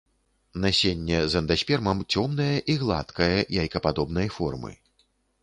Насенне з эндаспермам, цёмнае і гладкае, яйкападобнай формы.